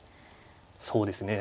そうですね。